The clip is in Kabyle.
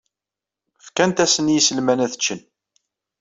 Fkant-asen i yiselman ad ččen.